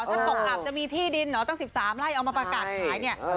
ถ้าตกอับจะมีที่ดินตั้ง๑๓ไล่เอามาประกัด